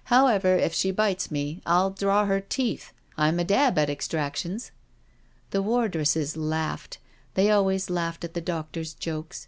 " However, if she bites me, I'll draw her teeth— I'm a dab at extractions.*' The wardresses laughed— they always laughed at the doctor*s jokes.